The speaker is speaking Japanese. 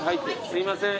すいません。